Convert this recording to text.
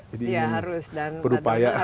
jadi ingin berupaya